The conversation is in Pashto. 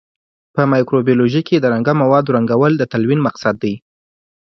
په مایکروبیولوژي کې د رنګه موادو رنګول د تلوین مقصد دی.